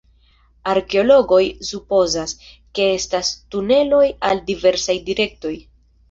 Arkeologoj supozas, ke estas tuneloj al diversaj direktoj.